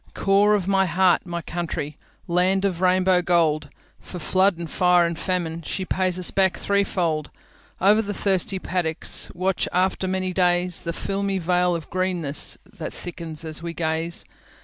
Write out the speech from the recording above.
Core of my heart, my country! Land of the Rainbow Gold, For flood and fire and famine, She pays us back threefold; Over the thirsty paddocks, Watch, after many days, The filmy veil of greennessThat thickens as we gaze.